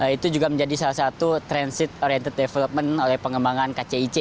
itu juga menjadi salah satu transit oriented development oleh pengembangan kcic